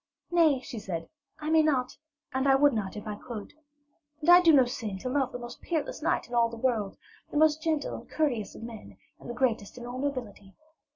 'Nay,' she said, 'I may not, and I would not if I could. And I do no sin to love the most peerless knight in all the world, the most gentle and courteous of men, and the greatest in all nobility.